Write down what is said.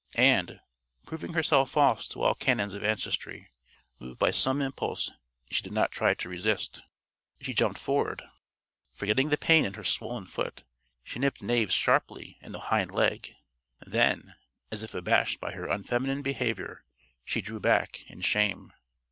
And, proving herself false to all canons of ancestry moved by some impulse she did not try to resist she jumped forward. Forgetting the pain in her swollen foot, she nipped Knave sharply in the hind leg. Then, as if abashed by her unfeminine behavior, she drew back, in shame.